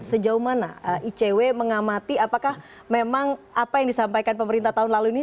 sejauh mana icw mengamati apakah memang apa yang disampaikan pemerintah tahun lalu ini